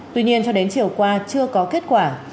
tuy nhiên cho đến chiều qua chưa có kết quả